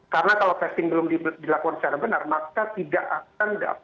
karena kalau testing belum dilakukan secara benar maka tidak akan dapat angka yang benar pula